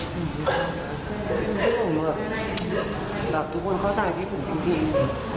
แบบทุกคนเข้าใจที่ผมจริง